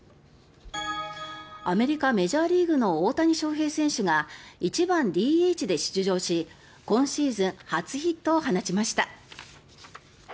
アメリカ、メジャーリーグの大谷翔平選手が１番ＤＨで出場し今シーズン初ヒットを放ちました。